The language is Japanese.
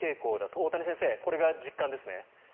大谷先生、これが実感ですね。